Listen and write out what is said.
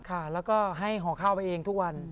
ค่ะแล้วก็ให้ห่อข้าวไปเองทุกวัน